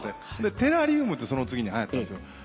テラリウムってその次にはやったんすよ。